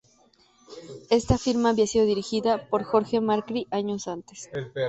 Esta firma había sido dirigida por Jorge macri años antes.